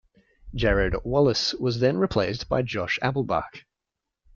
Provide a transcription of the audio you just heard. Jared Wallace was then replaced by Josh Applebach.